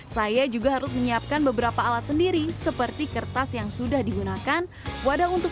saya juga harus menyiapkan beberapa alat sendiri seperti kertas yang sudah digunakan wadah untuk